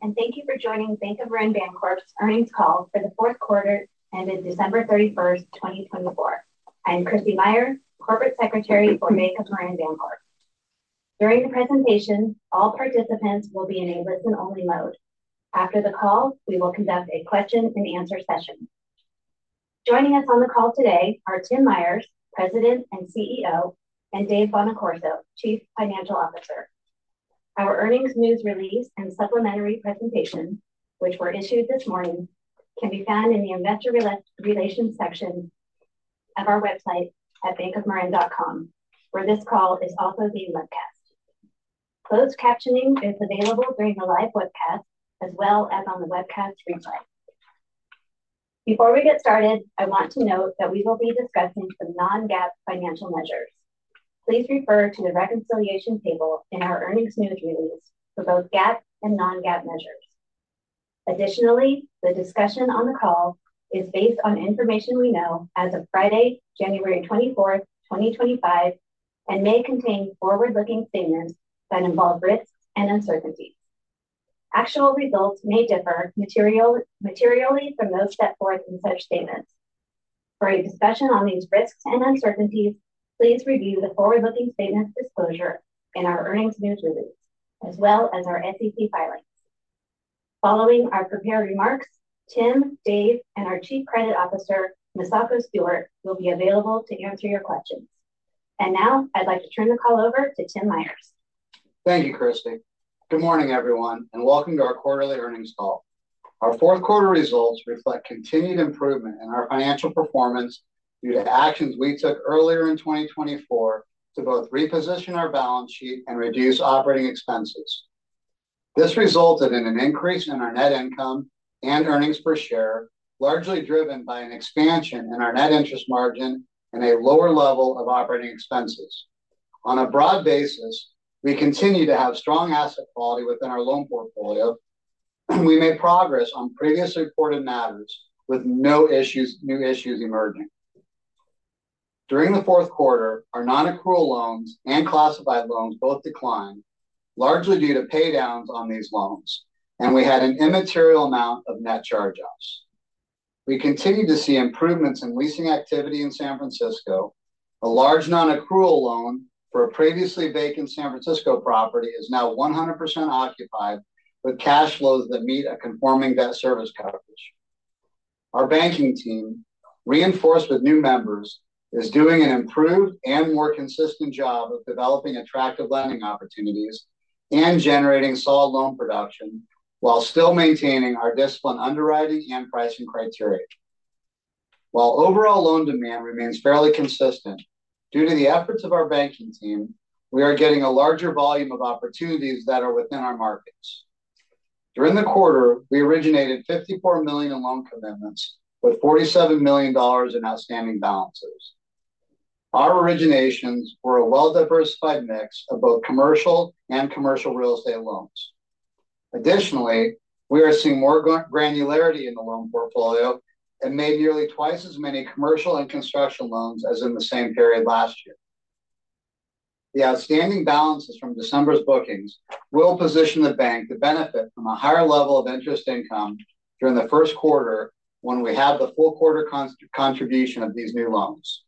Thank you for joining Bank of Marin Bancorp's earnings call for the fourth quarter ended December 31st, 2024. I'm Krissy Meyer, Corporate Secretary for Bank of Marin Bancorp. During the presentation, all participants will be in a listen-only mode. After the call, we will conduct a question-and-answer session. Joining us on the call today are Tim Myers, President and CEO, and Dave Bonaccorso, Chief Financial Officer. Our earnings news release and supplementary presentation, which were issued this morning, can be found in the Investor Relations section of our website at bankofmarin.com, where this call is also being webcast. Closed captioning is available during the live webcast, as well as on the webcast replay. Before we get started, I want to note that we will be discussing some non-GAAP financial measures. Please refer to the reconciliation table in our earnings news release for both GAAP and non-GAAP measures. Additionally, the discussion on the call is based on information we know as of Friday, January 24th, 2025, and may contain forward-looking statements that involve risks and uncertainties. Actual results may differ materially from those set forth in such statements. For a discussion on these risks and uncertainties, please review the forward-looking statement disclosure in our earnings news release, as well as our SEC filings. Following our prepared remarks, Tim, Dave, and our Chief Credit Officer, Misako Stewart, will be available to answer your questions. And now, I'd like to turn the call over to Tim Myers. Thank you, Krissy. Good morning, everyone, and welcome to our quarterly earnings call. Our fourth quarter results reflect continued improvement in our financial performance due to actions we took earlier in 2024 to both reposition our balance sheet and reduce operating expenses. This resulted in an increase in our net income and earnings per share, largely driven by an expansion in our net interest margin and a lower level of operating expenses. On a broad basis, we continue to have strong asset quality within our loan portfolio, and we made progress on previously reported matters with no new issues emerging. During the fourth quarter, our non-accrual loans and classified loans both declined, largely due to paydowns on these loans, and we had an immaterial amount of net charge-offs. We continue to see improvements in leasing activity in San Francisco. A large non-accrual loan for a previously vacant San Francisco property is now 100% occupied, with cash flows that meet a conforming debt service coverage. Our banking team, reinforced with new members, is doing an improved and more consistent job of developing attractive lending opportunities and generating solid loan production while still maintaining our disciplined underwriting and pricing criteria. While overall loan demand remains fairly consistent, due to the efforts of our banking team, we are getting a larger volume of opportunities that are within our markets. During the quarter, we originated $54 million in loan commitments, with $47 million in outstanding balances. Our originations were a well-diversified mix of both commercial and commercial real estate loans. Additionally, we are seeing more granularity in the loan portfolio and made nearly twice as many commercial and construction loans as in the same period last year. The outstanding balances from December's bookings will position the bank to benefit from a higher level of interest income during the first quarter when we have the full quarter contribution of these new loans.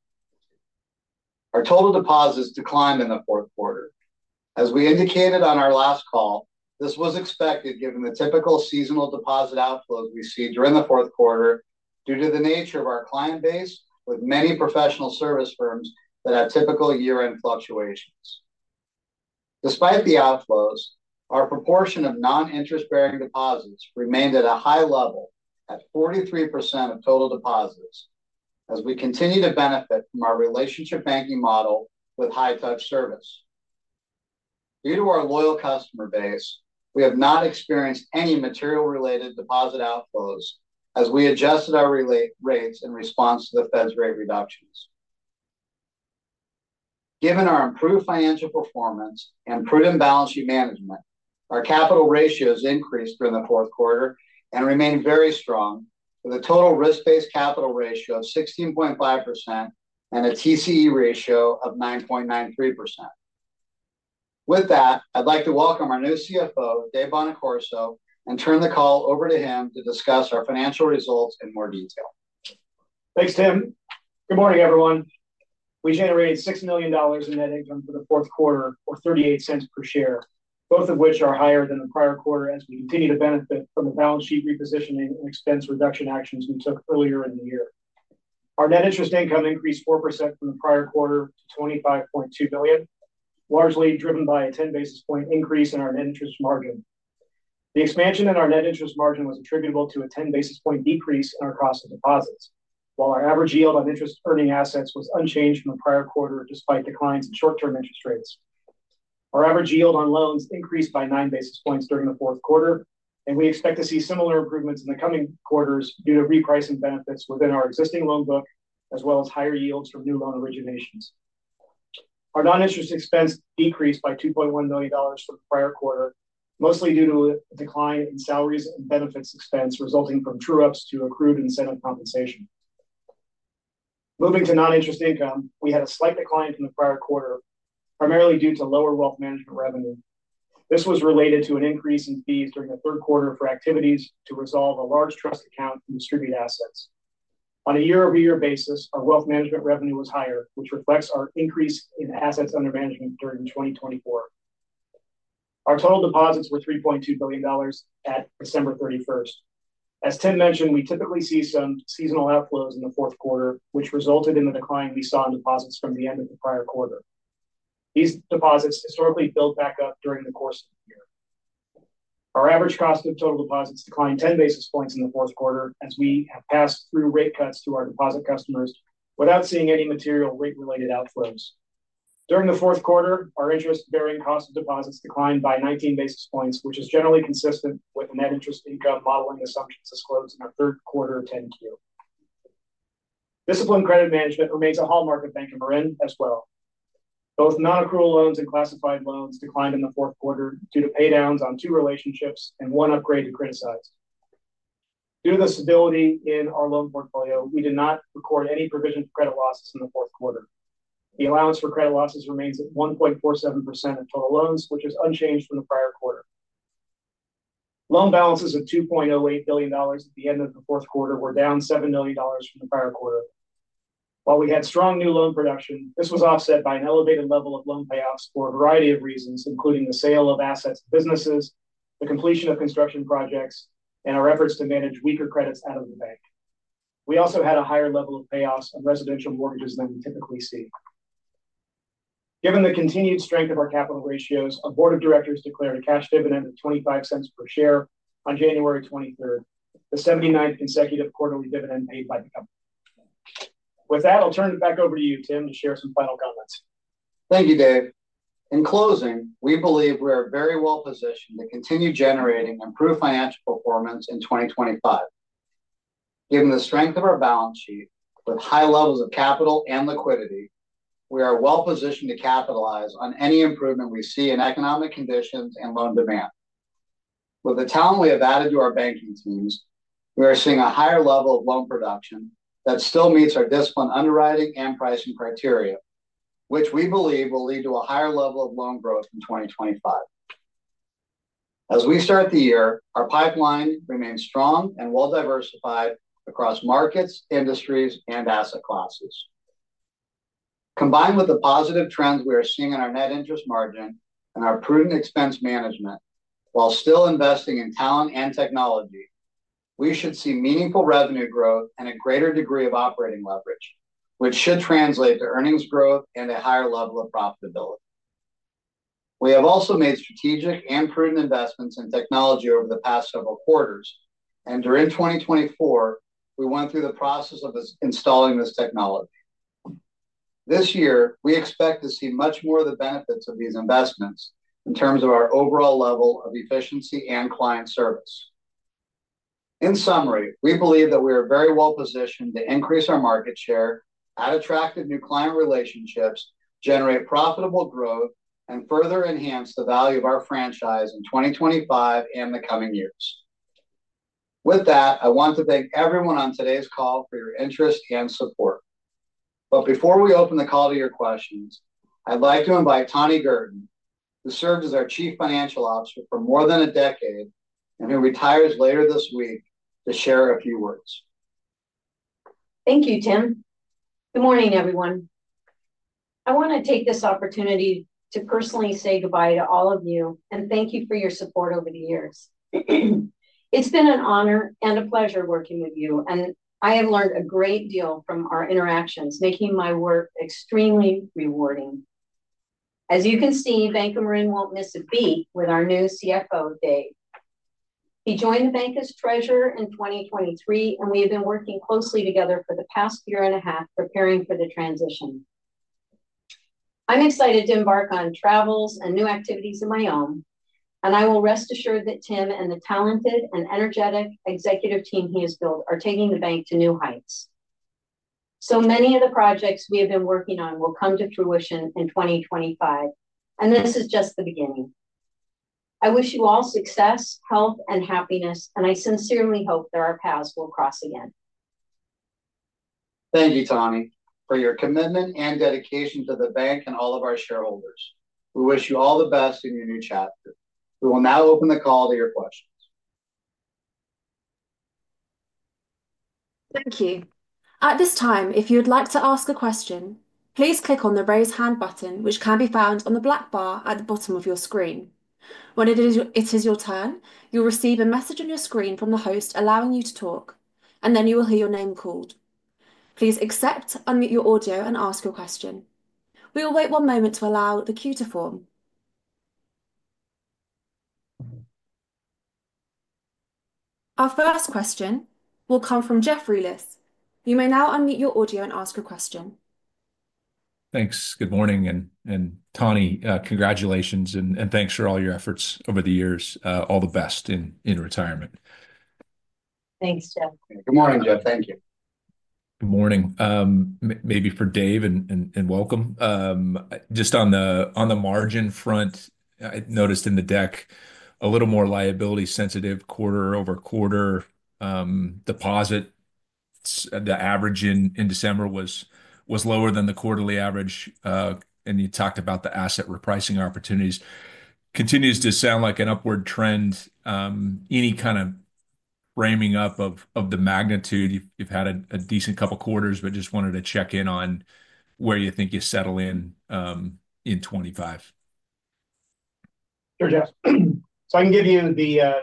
Our total deposits declined in the fourth quarter. As we indicated on our last call, this was expected given the typical seasonal deposit outflows we see during the fourth quarter due to the nature of our client base, with many professional service firms that have typical year-end fluctuations. Despite the outflows, our proportion of non-interest-bearing deposits remained at a high level at 43% of total deposits, as we continue to benefit from our relationship banking model with high-touch service. Due to our loyal customer base, we have not experienced any material-related deposit outflows as we adjusted our rates in response to the Fed's rate reductions. Given our improved financial performance and prudent balance sheet management, our capital ratios increased during the fourth quarter and remained very strong, with a total risk-based capital ratio of 16.5% and a TCE ratio of 9.93%. With that, I'd like to welcome our new CFO, Dave Bonaccorso, and turn the call over to him to discuss our financial results in more detail. Thanks, Tim. Good morning, everyone. We generated $6 million in net income for the fourth quarter, or $0.38 per share, both of which are higher than the prior quarter as we continue to benefit from the balance sheet repositioning and expense reduction actions we took earlier in the year. Our net interest income increased 4% from the prior quarter to $25.2 million, largely driven by a 10 basis point increase in our net interest margin. The expansion in our net interest margin was attributable to a 10 basis point decrease in our cost of deposits, while our average yield on interest-earning assets was unchanged from the prior quarter despite declines in short-term interest rates. Our average yield on loans increased by 9 basis points during the fourth quarter, and we expect to see similar improvements in the coming quarters due to repricing benefits within our existing loan book, as well as higher yields from new loan originations. Our non-interest expense decreased by $2.1 million from the prior quarter, mostly due to a decline in salaries and benefits expense resulting from true-ups to accrued incentive compensation. Moving to non-interest income, we had a slight decline from the prior quarter, primarily due to lower wealth management revenue. This was related to an increase in fees during the third quarter for activities to resolve a large trust account and distribute assets. On a year-over-year basis, our wealth management revenue was higher, which reflects our increase in assets under management during 2024. Our total deposits were $3.2 billion at December 31st. As Tim mentioned, we typically see some seasonal outflows in the fourth quarter, which resulted in the decline we saw in deposits from the end of the prior quarter. These deposits historically built back up during the course of the year. Our average cost of total deposits declined 10 basis points in the fourth quarter as we have passed through rate cuts to our deposit customers without seeing any material rate-related outflows. During the fourth quarter, our interest-bearing cost of deposits declined by 19 basis points, which is generally consistent with net interest income modeling assumptions disclosed in our third quarter 10-Q. Disciplined credit management remains a hallmark of Bank of Marin as well. Both non-accrual loans and classified loans declined in the fourth quarter due to paydowns on two relationships and one upgrade to criticized. Due to the stability in our loan portfolio, we did not record any provision for credit losses in the fourth quarter. The allowance for credit losses remains at 1.47% of total loans, which is unchanged from the prior quarter. Loan balances of $2.08 billion at the end of the fourth quarter were down $7 million from the prior quarter. While we had strong new loan production, this was offset by an elevated level of loan payoffs for a variety of reasons, including the sale of assets to businesses, the completion of construction projects, and our efforts to manage weaker credits out of the bank. We also had a higher level of payoffs on residential mortgages than we typically see. Given the continued strength of our capital ratios, a Board of Directors declared a cash dividend of $0.25 per share on January 23rd, the 79th consecutive quarterly dividend paid by the company. With that, I'll turn it back over to you, Tim, to share some final comments. Thank you, Dave. In closing, we believe we are very well positioned to continue generating improved financial performance in 2025. Given the strength of our balance sheet, with high levels of capital and liquidity, we are well positioned to capitalize on any improvement we see in economic conditions and loan demand. With the talent we have added to our banking teams, we are seeing a higher level of loan production that still meets our disciplined underwriting and pricing criteria, which we believe will lead to a higher level of loan growth in 2025. As we start the year, our pipeline remains strong and well-diversified across markets, industries, and asset classes. Combined with the positive trends we are seeing in our net interest margin and our prudent expense management, while still investing in talent and technology, we should see meaningful revenue growth and a greater degree of operating leverage, which should translate to earnings growth and a higher level of profitability. We have also made strategic and prudent investments in technology over the past several quarters, and during 2024, we went through the process of installing this technology. This year, we expect to see much more of the benefits of these investments in terms of our overall level of efficiency and client service. In summary, we believe that we are very well positioned to increase our market share, add attractive new client relationships, generate profitable growth, and further enhance the value of our franchise in 2025 and the coming years. With that, I want to thank everyone on today's call for your interest and support. But before we open the call to your questions, I'd like to invite Tani Girton, who served as our Chief Financial Officer for more than a decade and who retires later this week, to share a few words. Thank you, Tim. Good morning, everyone. I want to take this opportunity to personally say goodbye to all of you and thank you for your support over the years. It's been an honor and a pleasure working with you, and I have learned a great deal from our interactions, making my work extremely rewarding. As you can see, Bank of Marin won't miss a beat with our new CFO, Dave. He joined the bank as Treasurer in 2023, and we have been working closely together for the past year and a half, preparing for the transition. I'm excited to embark on travels and new activities of my own, and I will rest assured that Tim and the talented and energetic executive team he has built are taking the bank to new heights. So many of the projects we have been working on will come to fruition in 2025, and this is just the beginning. I wish you all success, health, and happiness, and I sincerely hope that our paths will cross again. Thank you, Tani, for your commitment and dedication to the bank and all of our shareholders. We wish you all the best in your new chapter. We will now open the call to your questions. Thank you. At this time, if you would like to ask a question, please click on the raise hand button, which can be found on the black bar at the bottom of your screen. When it is your turn, you'll receive a message on your screen from the host allowing you to talk, and then you will hear your name called. Please accept, unmute your audio, and ask your question. We will wait one moment to allow the queue to form. Our first question will come from Jeff Rulis. You may now unmute your audio and ask your question. Thanks. Good morning, and Tani, congratulations, and thanks for all your efforts over the years. All the best in retirement. Thanks, Jeff. Good morning, Jeff. Thank you. Good morning. Maybe for Dave, and welcome. Just on the margin front, I noticed in the deck a little more liability-sensitive quarter-over-quarter deposit. The average in December was lower than the quarterly average, and you talked about the asset repricing opportunities. Continues to sound like an upward trend. Any kind of framing up of the magnitude? You've had a decent couple of quarters, but just wanted to check in on where you think you settle in in 2025. Sure, Jeff. So I can give you the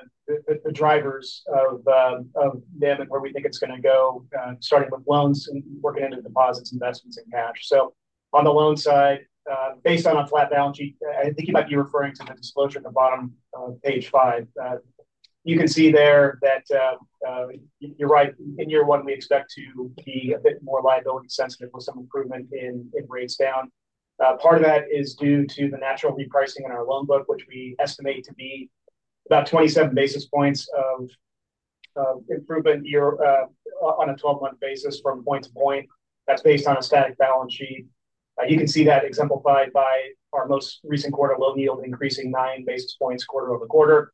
drivers of where we think it's going to go, starting with loans and working into deposits, investments, and cash. So on the loan side, based on a flat balance sheet, I think you might be referring to the disclosure at the bottom of page five. You can see there that you're right. In year one, we expect to be a bit more liability-sensitive with some improvement in rates down. Part of that is due to the natural repricing in our loan book, which we estimate to be about 27 basis points of improvement on a 12-month basis from point to point. That's based on a static balance sheet. You can see that exemplified by our most recent quarter loan yield increasing nine basis points quarter over quarter.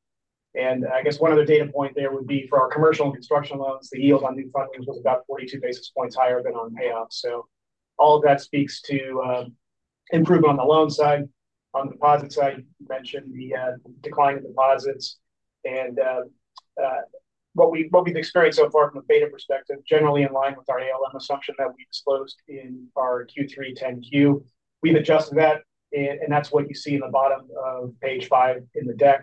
I guess one other data point there would be for our commercial and construction loans, the yield on new fundings was about 42 basis points higher than on payoffs. So all of that speaks to improvement on the loan side. On the deposit side, you mentioned the decline in deposits. And what we've experienced so far from a beta perspective, generally in line with our ALM assumption that we disclosed in our Q3 10-Q, we've adjusted that, and that's what you see in the bottom of page five in the deck,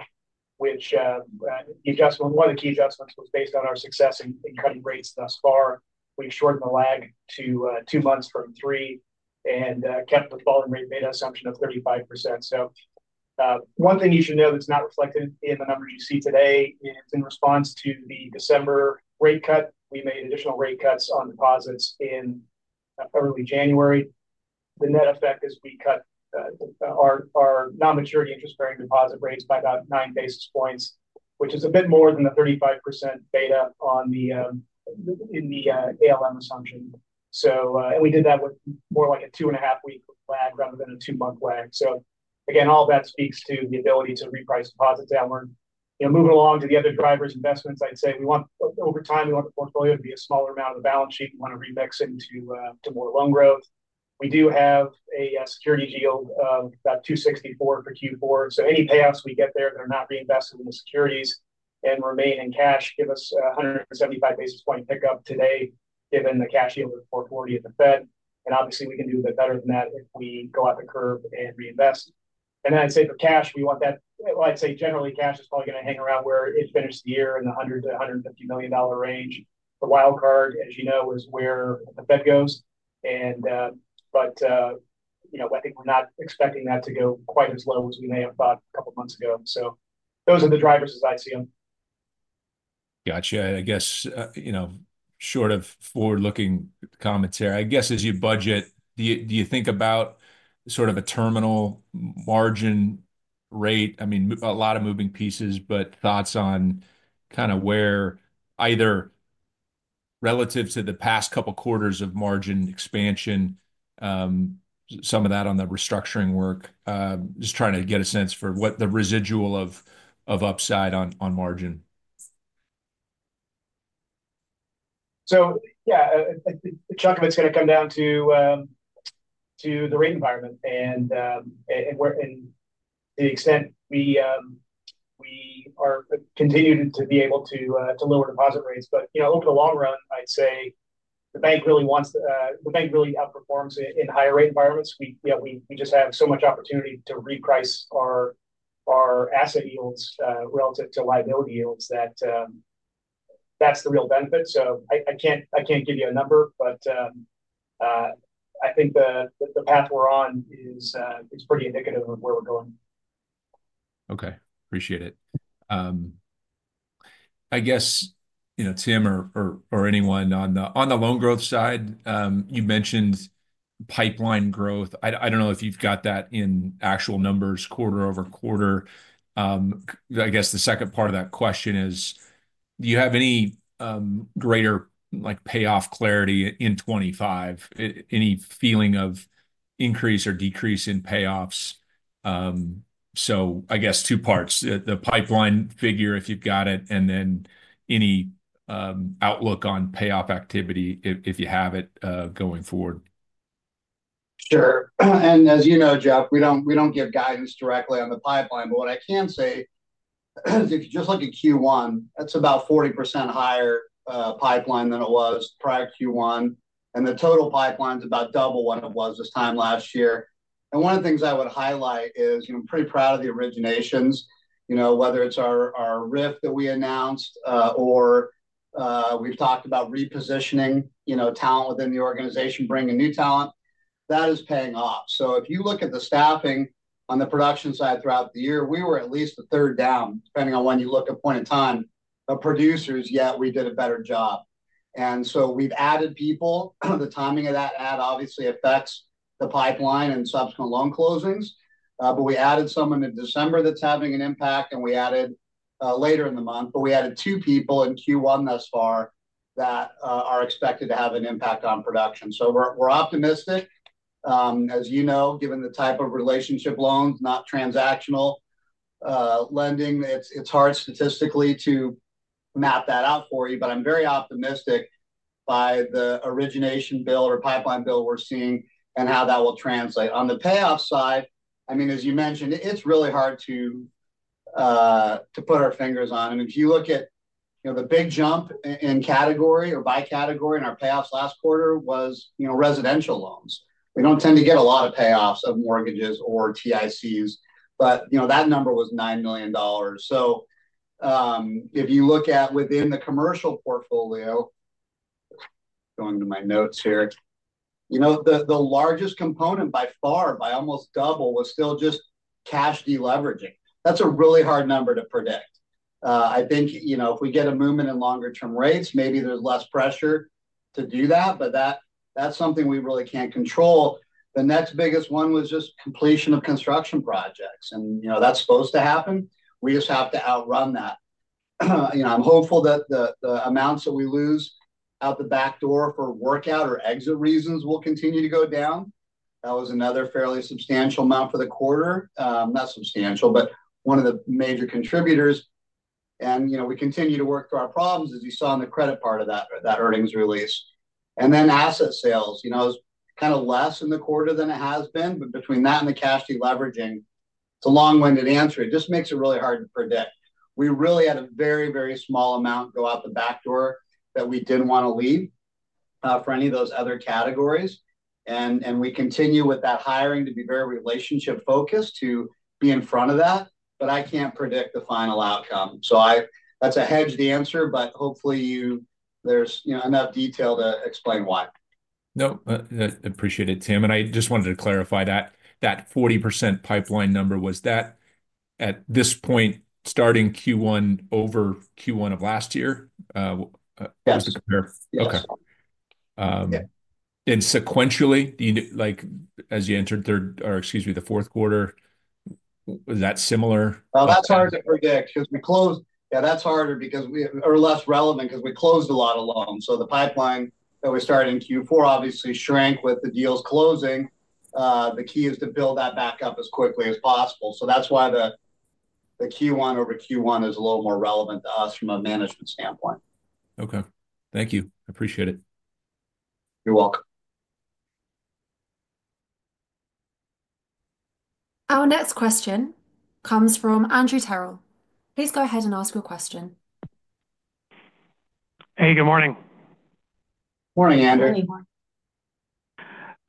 which one of the key adjustments was based on our success in cutting rates thus far. We shortened the lag to two months from three and kept the falling rate beta assumption of 35%. So one thing you should know that's not reflected in the numbers you see today is in response to the December rate cut. We made additional rate cuts on deposits in early January. The net effect is we cut our non-maturity interest-bearing deposit rates by about nine basis points, which is a bit more than the 35% beta in the ALM assumption. And we did that with more like a two-and-a-half-week lag rather than a two-month lag. So again, all that speaks to the ability to reprice deposits downward. Moving along to the other drivers, investments, I'd say we want over time, we want the portfolio to be a smaller amount of the balance sheet. We want to remix into more loan growth. We do have a securities yield of about 264 for Q4. So any payoffs we get there that are not reinvested in the securities and remain in cash give us a 175 basis point pickup today, given the cash yield of 440 at the Fed. And obviously, we can do a bit better than that if we go out the curve and reinvest. And then I'd say for cash, we want that, I'd say generally cash is probably going to hang around where it finished the year in the $100 million-$150 million range. The wild card, as you know, is where the Fed goes. But I think we're not expecting that to go quite as low as we may have thought a couple of months ago. So those are the drivers as I see them. Gotcha. I guess short of forward-looking commentary, I guess as you budget, do you think about sort of a terminal margin rate? I mean, a lot of moving pieces, but thoughts on kind of where either relative to the past couple of quarters of margin expansion, some of that on the restructuring work, just trying to get a sense for what the residual of upside on margin. So yeah, a chunk of it's going to come down to the rate environment and to the extent we are continuing to be able to lower deposit rates. But over the long run, I'd say the bank really outperforms in higher rate environments. We just have so much opportunity to reprice our asset yields relative to liability yields that that's the real benefit. So I can't give you a number, but I think the path we're on is pretty indicative of where we're going. Okay. Appreciate it. I guess, Tim or anyone on the loan growth side, you mentioned pipeline growth. I don't know if you've got that in actual numbers quarter over quarter. I guess the second part of that question is, do you have any greater payoff clarity in 2025? Any feeling of increase or decrease in payoffs? So I guess two parts, the pipeline figure if you've got it, and then any outlook on payoff activity if you have it going forward. Sure. As you know, Jeff, we don't give guidance directly on the pipeline, but what I can say is just like in Q1, that's about 40% higher pipeline than it was prior to Q1. The total pipeline is about double what it was this time last year. One of the things I would highlight is I'm pretty proud of the originations, whether it's our RIF that we announced or we've talked about repositioning talent within the organization, bringing new talent. That is paying off. If you look at the staffing on the production side throughout the year, we were at least a third down, depending on when you look at point in time, of producers, yet we did a better job. We've added people. The timing of that ad obviously affects the pipeline and subsequent loan closings, but we added someone in December that's having an impact, and we added later in the month, but we added two people in Q1 thus far that are expected to have an impact on production, so we're optimistic. As you know, given the type of relationship loans, not transactional lending, it's hard statistically to map that out for you, but I'm very optimistic by the origination bill or pipeline bill we're seeing and how that will translate. On the payoff side, I mean, as you mentioned, it's really hard to put our fingers on, and if you look at the big jump in category or by category in our payoffs last quarter was residential loans. We don't tend to get a lot of payoffs of mortgages or TICs, but that number was $9 million. If you look at within the commercial portfolio, going to my notes here, the largest component by far, by almost double, was still just cash deleveraging. That's a really hard number to predict. I think if we get a movement in longer-term rates, maybe there's less pressure to do that, but that's something we really can't control. The next biggest one was just completion of construction projects, and that's supposed to happen. We just have to outrun that. I'm hopeful that the amounts that we lose out the back door for workout or exit reasons will continue to go down. That was another fairly substantial amount for the quarter. Not substantial, but one of the major contributors. We continue to work through our problems, as you saw in the credit part of that earnings release. And then, asset sales, it was kind of less in the quarter than it has been, but between that and the cash deleveraging, it's a long-winded answer. It just makes it really hard to predict. We really had a very, very small amount go out the back door that we didn't want to leave for any of those other categories. And we continue with that hiring to be very relationship-focused to be in front of that, but I can't predict the final outcome. So that's a hedged answer, but hopefully there's enough detail to explain why. Nope. I appreciate it, Tim. And I just wanted to clarify that 40% pipeline number, was that at this point starting Q1 over Q1 of last year? Yes. Okay. And sequentially, as you entered third or excuse me, the fourth quarter, was that similar? That's hard to predict because we closed. Yeah, that's harder because we, or less relevant, because we closed a lot of loans. The pipeline that we started in Q4 obviously shrank with the deals closing. The key is to build that back up as quickly as possible. That's why the Q1 over Q1 is a little more relevant to us from a management standpoint. Okay. Thank you. Appreciate it. You're welcome. Our next question comes from Andrew Terrell. Please go ahead and ask your question. Hey, good morning. Morning, Andrew.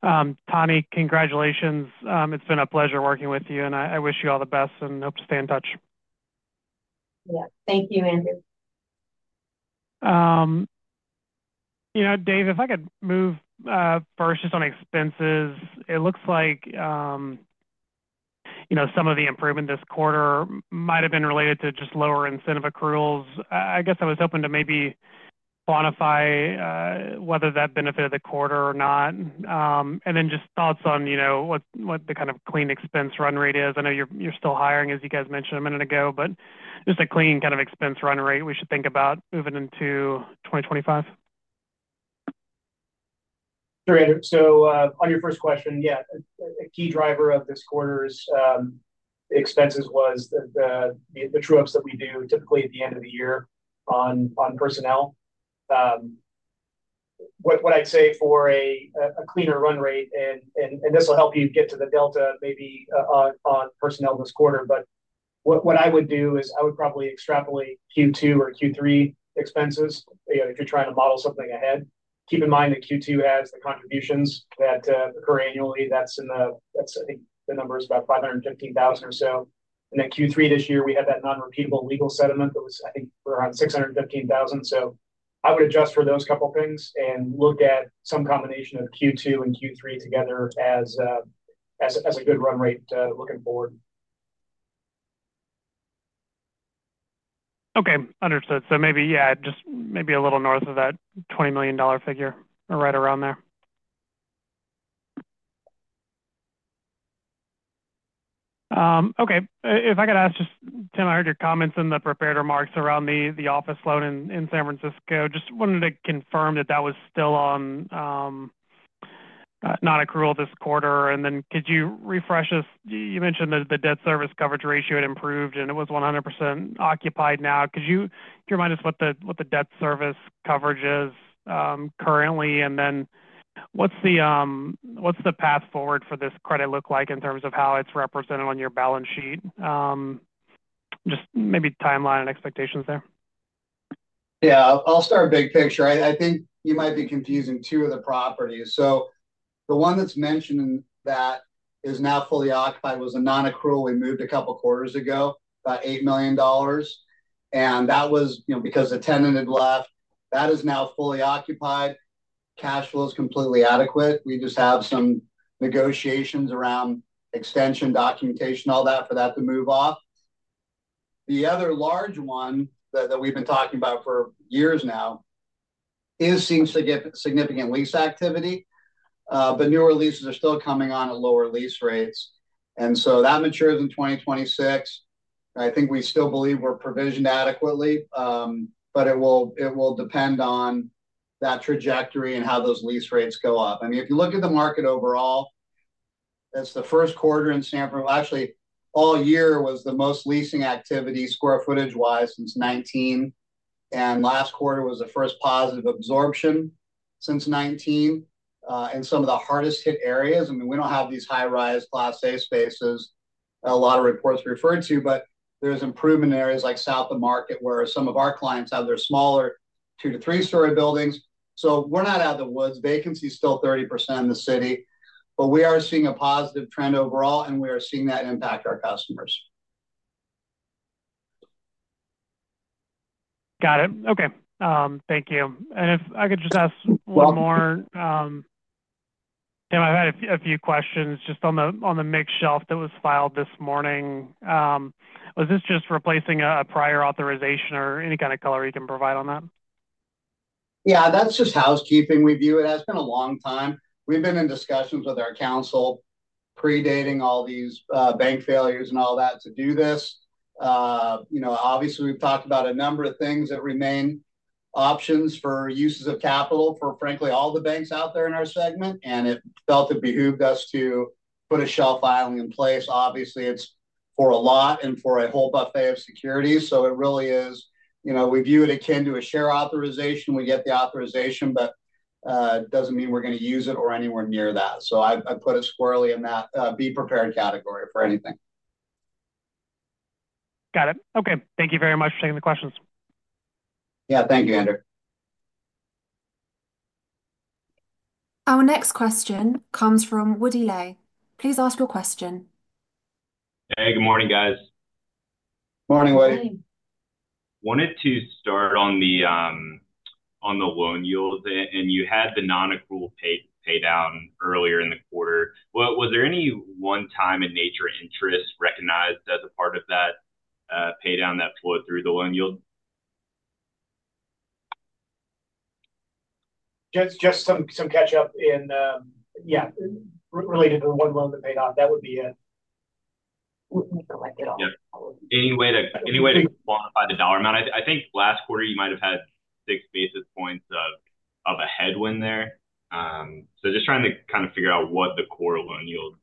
Morning. Tani, congratulations. It's been a pleasure working with you, and I wish you all the best, and hope to stay in touch. Yeah. Thank you, Andrew. Dave, if I could move first just on expenses, it looks like some of the improvement this quarter might have been related to just lower incentive accruals. I guess I was hoping to maybe quantify whether that benefited the quarter or not, and then just thoughts on what the kind of clean expense run rate is. I know you're still hiring, as you guys mentioned a minute ago, but just a clean kind of expense run rate we should think about moving into 2025. Sure, Andrew. So on your first question, yeah, a key driver of this quarter's expenses was the true-ups that we do typically at the end of the year on personnel. What I'd say for a cleaner run rate, and this will help you get to the delta maybe on personnel this quarter, but what I would do is I would probably extrapolate Q2 or Q3 expenses if you're trying to model something ahead. Keep in mind that Q2 has the contributions that occur annually. That's, I think, the number is about $515,000 or so. And then Q3 this year, we had that non-repeatable legal settlement that was, I think, around $615,000. So I would adjust for those couple of things and look at some combination of Q2 and Q3 together as a good run rate looking forward. Okay. Understood. So maybe, yeah, just maybe a little north of that $20 million figure or right around there. Okay. If I could ask just, Tim, I heard your comments in the prepared remarks around the office loan in San Francisco. Just wanted to confirm that that was still on non-accrual this quarter. And then could you refresh us? You mentioned that the debt service coverage ratio had improved, and it was 100% occupied now. Could you remind us what the debt service coverage is currently? And then what's the path forward for this credit look like in terms of how it's represented on your balance sheet? Just maybe timeline and expectations there. Yeah. I'll start big picture. I think you might be confusing two of the properties. So the one that's mentioned that is now fully occupied was a non-accrual we moved a couple of quarters ago, about $8 million. And that was because the tenant had left. That is now fully occupied. Cash flow is completely adequate. We just have some negotiations around extension documentation, all that for that to move off. The other large one that we've been talking about for years now it seems to get significant lease activity, but newer leases are still coming on at lower lease rates. And so that matures in 2026. I think we still believe we're provisioned adequately, but it will depend on that trajectory and how those lease rates go up. I mean, if you look at the market overall, it's the first quarter in San Francisco, well, actually, all year was the most leasing activity square footage-wise since 2019. And last quarter was the first positive absorption since 2019. And some of the hardest-hit areas, I mean, we don't have these high-rise Class A spaces a lot of reports refer to, but there's improvement in areas like South of Market where some of our clients have their smaller two to three-story buildings. So we're not out of the woods. Vacancy is still 30% in the city, but we are seeing a positive trend overall, and we are seeing that impact our customers. Got it. Okay. Thank you. And if I could just ask one more. Go on. Tim, I've had a few questions just on the mixed shelf that was filed this morning. Was this just replacing a prior authorization or any kind of color you can provide on that? Yeah. That's just housekeeping. We view it as it's been a long time. We've been in discussions with our counsel predating all these bank failures and all that to do this. Obviously, we've talked about a number of things that remain options for uses of capital for, frankly, all the banks out there in our segment, and it felt to behoove us to put a shelf filing in place. Obviously, it's for a lot and for a whole buffet of securities. So it really is we view it akin to a share authorization. We get the authorization, but it doesn't mean we're going to use it or anywhere near that. So I put it squarely in that be prepared category for anything. Got it. Okay. Thank you very much for taking the questions. Yeah. Thank you, Andrew. Our next question comes from Woody Lay. Please ask your question. Hey, good morning, guys. Morning, Lay. Morning. Wanted to start on the loan yield, and you had the non-accrual pay down earlier in the quarter. Was there any one-time in nature interest recognized as a part of that pay down that flowed through the loan yield? Just some catch-up related to one loan that paid off. That would be it. We can collect it all. Yeah. Any way to quantify the dollar amount? I think last quarter, you might have had six basis points of a headwind there. So just trying to kind of figure out what the core loan yields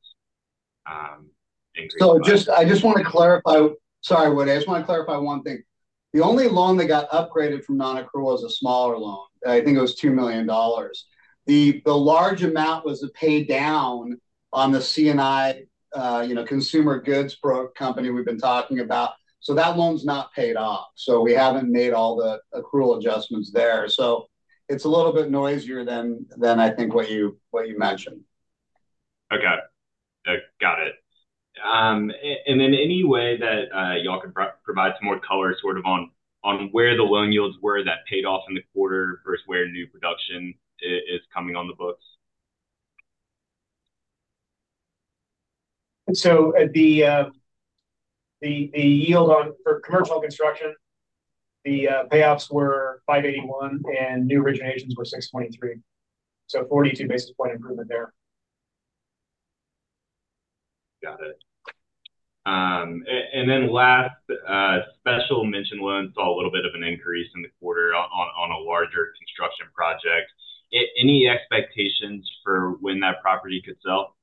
increased on. I just want to clarify, sorry, Woody. I just want to clarify one thing. The only loan that got upgraded from non-accrual is a smaller loan. I think it was $2 million. The large amount was the pay down on the C&I consumer goods company we've been talking about. So that loan's not paid off. So we haven't made all the accrual adjustments there. So it's a little bit noisier than I think what you mentioned. Okay. Got it, and then any way that y'all could provide some more color sort of on where the loan yields were that paid off in the quarter versus where new production is coming on the books? The yield for commercial construction, the payoffs were 581, and new originations were 623. 42 basis point improvement there. Got it. And then lastly, Special Mention loans saw a little bit of an increase in the quarter on a larger construction project. Any expectations for when that property could sell?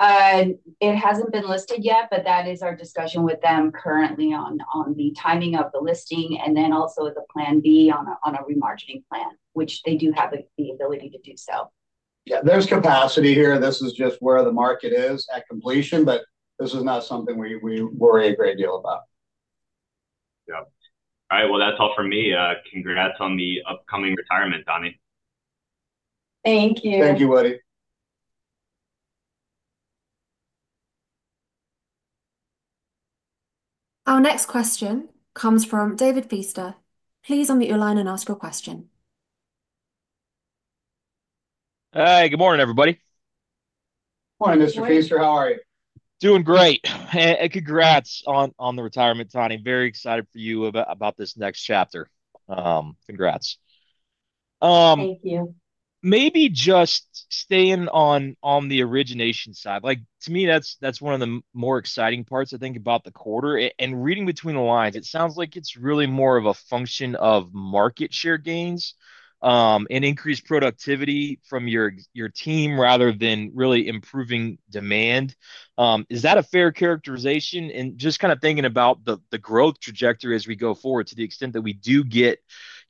It hasn't been listed yet, but that is our discussion with them currently on the timing of the listing and then also with a plan B on a remargining plan, which they do have the ability to do so. Yeah. There's capacity here. This is just where the market is at completion, but this is not something we worry a great deal about. Yep. All right. Well, that's all for me. Congrats on the upcoming retirement, Tani. Thank you. Thank you, Woody. Our next question comes from David Feaster. Please unmute your line and ask your question. Hey, good morning, everybody. Morning, Mr. Feaster. How are you? Doing great. And congrats on the retirement, Tani. Very excited for you about this next chapter. Congrats. Thank you. Maybe just staying on the origination side. To me, that's one of the more exciting parts, I think, about the quarter. And reading between the lines, it sounds like it's really more of a function of market share gains and increased productivity from your team rather than really improving demand. Is that a fair characterization? And just kind of thinking about the growth trajectory as we go forward, to the extent that we do get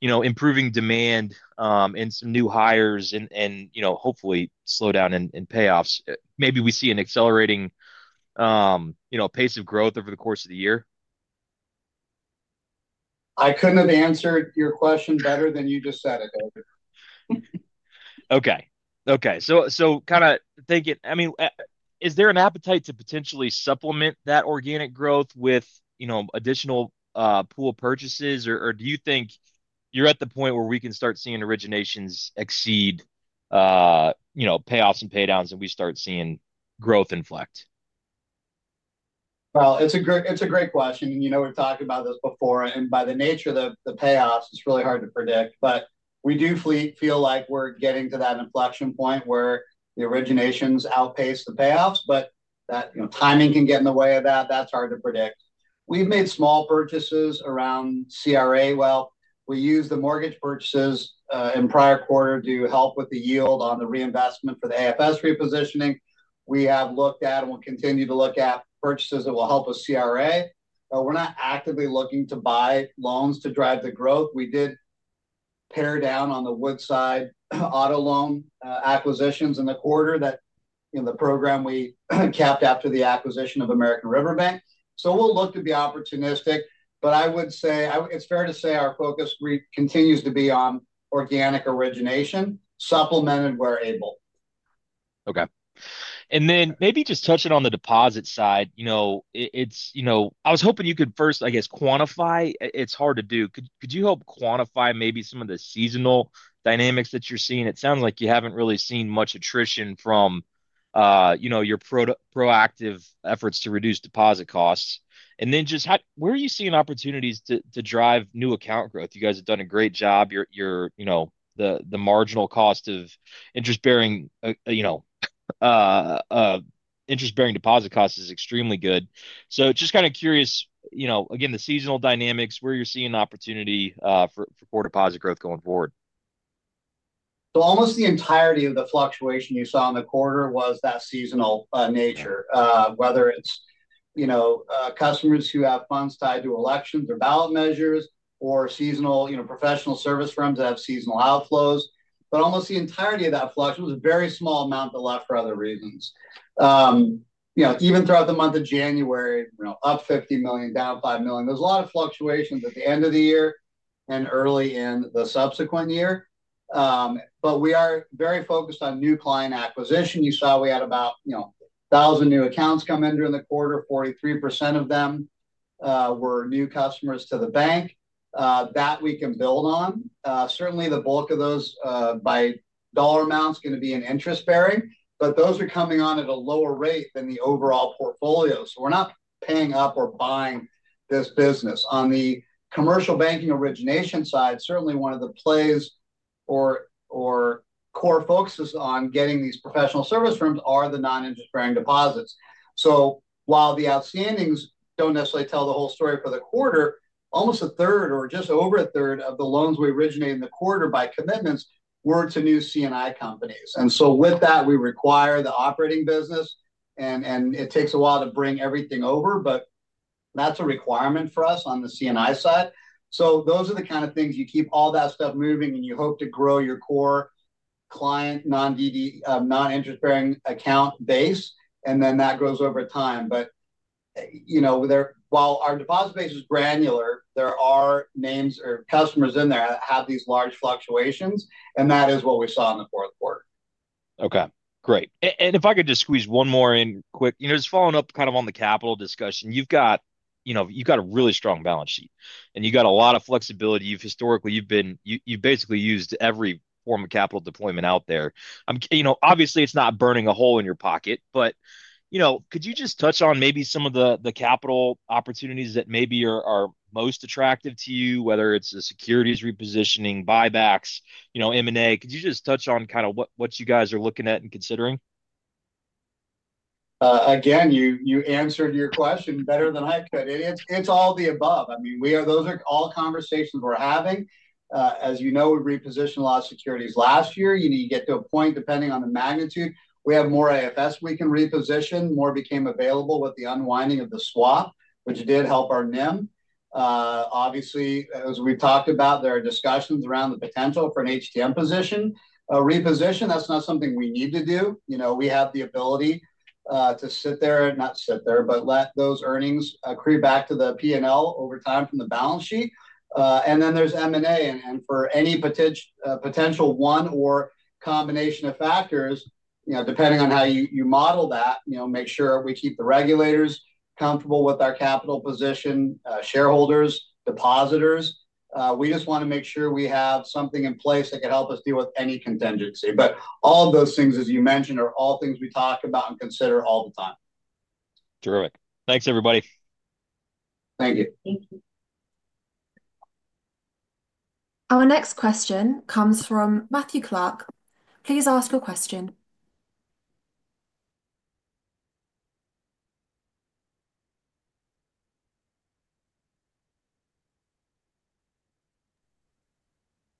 improving demand and some new hires and hopefully slow down in payoffs, maybe we see an accelerating pace of growth over the course of the year? I couldn't have answered your question better than you just said it, David. Okay. Okay. So kind of thinking I mean, is there an appetite to potentially supplement that organic growth with additional pool purchases, or do you think you're at the point where we can start seeing originations exceed payoffs and pay downs and we start seeing growth inflect? It's a great question. We've talked about this before. By the nature of the payoffs, it's really hard to predict. We do feel like we're getting to that inflection point where the originations outpace the payoffs, but that timing can get in the way of that. That's hard to predict. We've made small purchases around CRA. We used the mortgage purchases in prior quarter to help with the yield on the reinvestment for the AFS repositioning. We have looked at and will continue to look at purchases that will help with CRA. We're not actively looking to buy loans to drive the growth. We did pare down on the Woodside auto loan acquisitions in the quarter that the program we capped after the acquisition of American River Bank. We'll look to be opportunistic. But I would say it's fair to say our focus continues to be on organic origination, supplemented where able. Okay. And then maybe just touching on the deposit side, I was hoping you could first, I guess, quantify. It's hard to do. Could you help quantify maybe some of the seasonal dynamics that you're seeing? It sounds like you haven't really seen much attrition from your proactive efforts to reduce deposit costs. And then just where are you seeing opportunities to drive new account growth? You guys have done a great job. The marginal cost of interest-bearing deposit costs is extremely good. So just kind of curious, again, the seasonal dynamics, where you're seeing opportunity for core deposit growth going forward? Almost the entirety of the fluctuation you saw in the quarter was that seasonal nature, whether it's customers who have funds tied to elections or ballot measures or seasonal professional service firms that have seasonal outflows. But almost the entirety of that fluctuation was a very small amount that left for other reasons. Even throughout the month of January, up $50 million, down $5 million. There's a lot of fluctuations at the end of the year and early in the subsequent year. But we are very focused on new client acquisition. You saw we had about 1,000 new accounts come in during the quarter. 43% of them were new customers to the bank. That we can build on. Certainly, the bulk of those by dollar amount is going to be in interest bearing, but those are coming on at a lower rate than the overall portfolio. So we're not paying up or buying this business. On the commercial banking origination side, certainly one of the plays or core focuses on getting these professional service firms are the non-interest-bearing deposits. So while the outstandings don't necessarily tell the whole story for the quarter, almost a third or just over a third of the loans we originated in the quarter by commitments were to new C&I companies. And so with that, we require the operating business, and it takes a while to bring everything over, but that's a requirement for us on the C&I side. So those are the kind of things you keep all that stuff moving, and you hope to grow your core client non-interest-bearing account base, and then that grows over time. But while our deposit base is granular, there are names or customers in there that have these large fluctuations, and that is what we saw in the fourth quarter. Okay. Great. And if I could just squeeze one more in quick, just following up kind of on the capital discussion, you've got a really strong balance sheet, and you've got a lot of flexibility. Historically, you've basically used every form of capital deployment out there. Obviously, it's not burning a hole in your pocket, but could you just touch on maybe some of the capital opportunities that maybe are most attractive to you, whether it's the securities repositioning, buybacks, M&A? Could you just touch on kind of what you guys are looking at and considering? Again, you answered your question better than I could. It's all the above. I mean, those are all conversations we're having. As you know, we repositioned a lot of securities last year. You get to a point, depending on the magnitude, we have more AFS we can reposition. More became available with the unwinding of the swap, which did help our NIM. Obviously, as we've talked about, there are discussions around the potential for an HTM position reposition. That's not something we need to do. We have the ability to sit there, not sit there, but let those earnings accrue back to the P&L over time from the balance sheet. And then there's M&A. And for any potential one or combination of factors, depending on how you model that, make sure we keep the regulators comfortable with our capital position, shareholders, depositors. We just want to make sure we have something in place that can help us deal with any contingency. But all of those things, as you mentioned, are all things we talk about and consider all the time. Terrific. Thanks, everybody. Thank you. Thank you. Our next question comes from Matthew Clark. Please ask your question.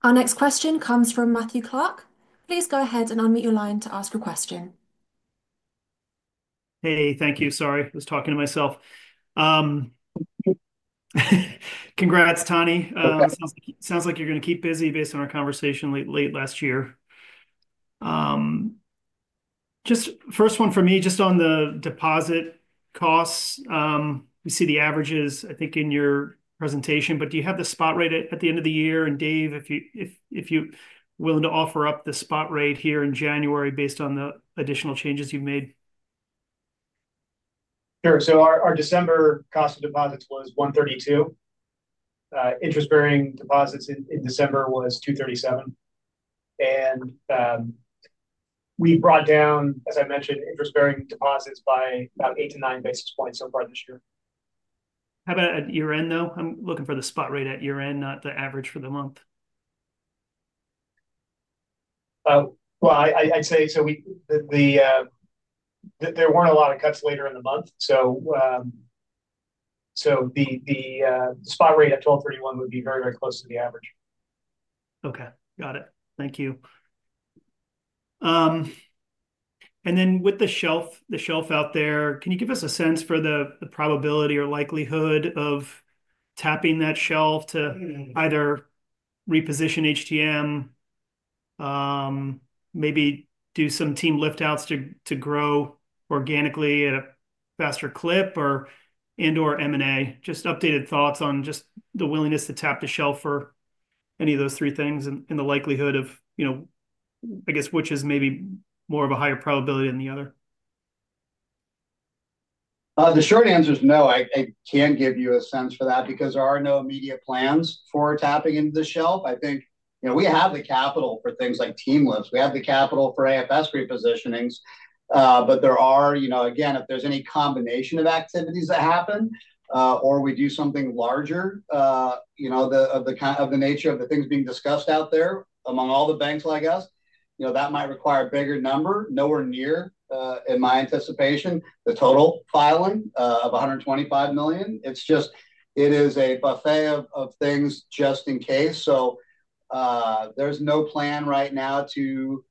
Our next question comes from Matthew Clark. Please go ahead and unmute your line to ask your question. Hey, thank you. Sorry, I was talking to myself. Congrats, Tani. Sounds like you're going to keep busy based on our conversation late last year. Just first one for me, just on the deposit costs. We see the averages, I think, in your presentation, but do you have the spot rate at the end of the year? And Dave, if you're willing to offer up the spot rate here in January based on the additional changes you've made. Sure. So our December cost of deposits was 132. Interest-bearing deposits in December was 237. And we've brought down, as I mentioned, interest-bearing deposits by about eight to nine basis points so far this year. How about at year-end, though? I'm looking for the spot rate at year-end, not the average for the month. I'd say so there weren't a lot of cuts later in the month, so the spot rate at 1231 would be very, very close to the average. Okay. Got it. Thank you. And then with the shelf out there, can you give us a sense for the probability or likelihood of tapping that shelf to either reposition HTM, maybe do some team liftouts to grow organically at a faster clip, and/or M&A? Just updated thoughts on just the willingness to tap the shelf for any of those three things and the likelihood of, I guess, which is maybe more of a higher probability than the other? The short answer is no. I can't give you a sense for that because there are no immediate plans for tapping into the shelf. I think we have the capital for things like team lifts. We have the capital for AFS repositionings. But there are, again, if there's any combination of activities that happen or we do something larger of the nature of the things being discussed out there among all the banks, like us, that might require a bigger number. Nowhere near, in my anticipation, the total filing of $125 million. It's just it is a buffet of things just in case. So there's no plan right now to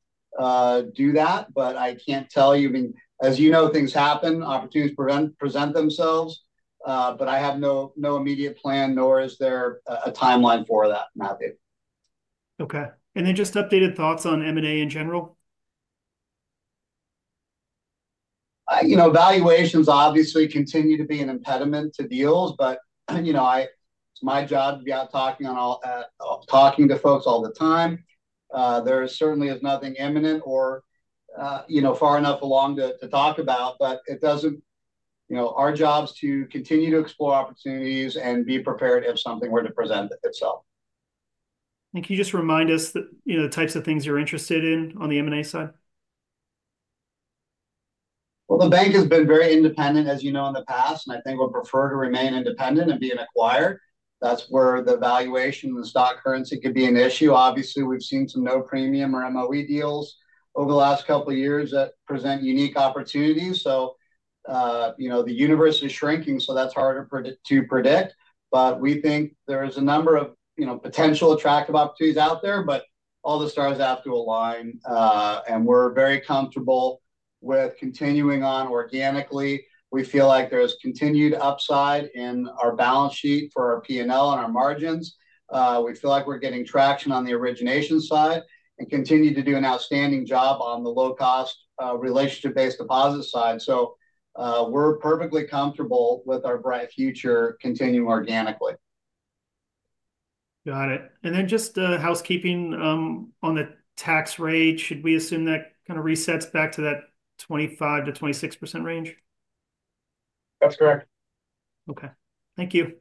do that, but I can't tell you. I mean, as you know, things happen. Opportunities present themselves. But I have no immediate plan, nor is there a timeline for that, Matthew. Okay, and then just updated thoughts on M&A in general? Valuations obviously continue to be an impediment to deals, but it's my job to be out talking to folks all the time. There certainly is nothing imminent or far enough along to talk about, but it doesn't change our job is to continue to explore opportunities and be prepared if something were to present itself. Can you just remind us the types of things you're interested in on the M&A side? The bank has been very independent, as you know, in the past, and I think would prefer to remain independent and be an acquirer. That's where the valuation and the stock currency could be an issue. Obviously, we've seen some no-premium or MOE deals over the last couple of years that present unique opportunities. The universe is shrinking, so that's harder to predict. We think there is a number of potential attractive opportunities out there, but all the stars have to align. We're very comfortable with continuing on organically. We feel like there's continued upside in our balance sheet for our P&L and our margins. We feel like we're getting traction on the origination side and continue to do an outstanding job on the low-cost relationship-based deposit side. We're perfectly comfortable with our bright future continuing organically. Got it. And then just housekeeping on the tax rate, should we assume that kind of resets back to that 25%-26% range? That's correct. Okay. Thank you.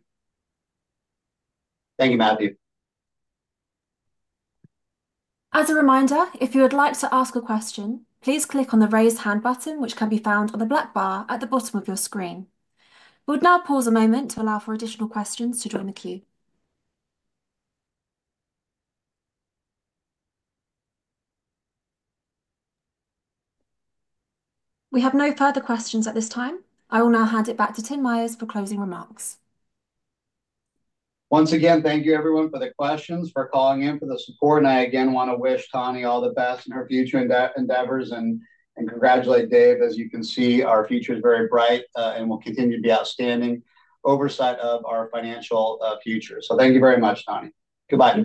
Thank you, Matthew. As a reminder, if you would like to ask a question, please click on the raise hand button, which can be found on the black bar at the bottom of your screen. We'll now pause a moment to allow for additional questions to join the queue. We have no further questions at this time. I will now hand it back to Tim Myers for closing remarks. Once again, thank you, everyone, for the questions, for calling in, for the support. And I, again, want to wish Tani all the best in her future endeavors. And congratulate Dave. As you can see, our future is very bright, and we'll continue to be outstanding oversight of our financial future. So thank you very much, Tani. Goodbye.